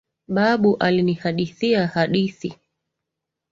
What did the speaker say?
Babu alinihadhithia hadithi.